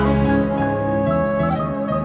kita akan mencari penumpang yang lebih baik